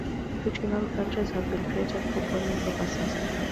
Fictional countries have been created for polling purposes.